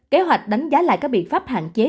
kế hoạch đánh giá lại các biện pháp hạn chế